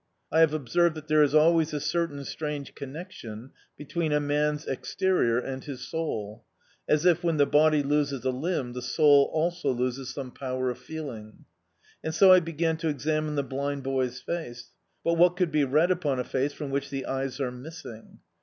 I have observed that there is always a certain strange connection between a man's exterior and his soul; as, if when the body loses a limb, the soul also loses some power of feeling. And so I began to examine the blind boy's face. But what could be read upon a face from which the eyes are missing?...